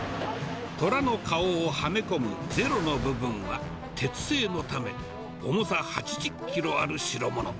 トラの顔をはめ込むゼロの部分は、鉄製のため、重さ８０キロある代物。